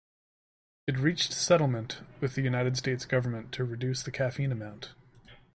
It reached a settlement with the United States government to reduce the caffeine amount.